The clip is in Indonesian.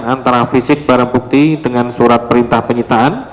antara fisik barang bukti dengan surat perintah penyitaan